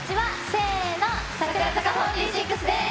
せーの、櫻坂４６です。